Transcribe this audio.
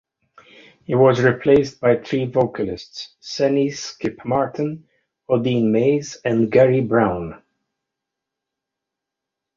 He was replaced by three vocalists: Sennie "Skip" Martin, Odeen Mays, and Gary Brown.